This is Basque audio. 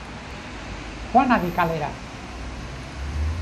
joan hadi kalera!